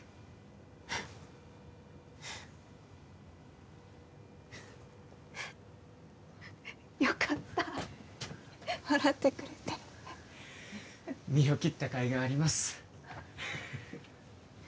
フッフフッよかった笑ってくれて身を切った甲斐があります